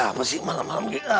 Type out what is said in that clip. alarm siapa sih malam malam kita